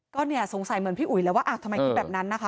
ก็เนี่ยสงสัยเหมือนพี่อุ๋ยแล้วว่าทำไมคิดแบบนั้นนะคะ